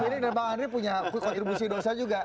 kang bedi dan pak andri punya kontribusi dosa juga